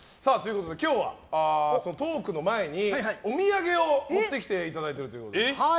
今日は、トークの前にお土産を持ってきていただいているということで。